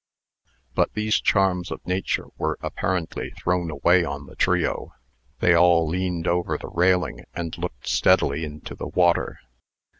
But these charms of nature were apparently thrown away on the trio. They all leaned over the railing, and, looked steadily into the water.